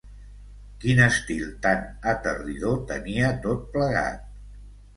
Quin estil tan aterridor tenia tot plegat.